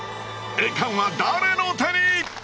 栄冠は誰の手に⁉・